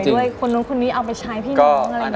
แม่ด้วยแม่ป่วยด้วยคนน้องคนนี้เอาไปใช้พี่น้องอะไรอย่างนี้